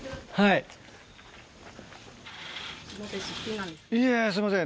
いやいやすいません